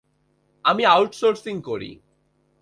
আমি আউটসোর্সিং করি।